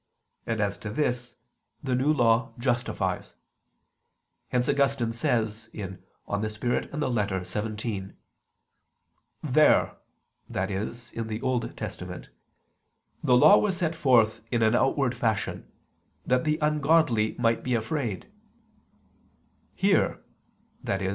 And as to this, the New Law justifies. Hence Augustine says (De Spir. et Lit. xvii): "There," i.e. in the Old Testament, "the Law was set forth in an outward fashion, that the ungodly might be afraid"; "here," i.e.